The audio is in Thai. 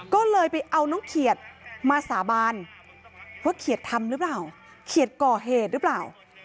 ก็เลยไปเอาน้องเขียดมาสาบานว่าเขียดทำหรือเปล่าเขียดก่อเหตุหรือเปล่า